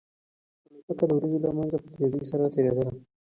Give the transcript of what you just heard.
الوتکه د وريځو له منځه په تېزۍ سره تېرېدله.